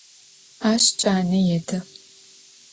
Aş cane yêdı.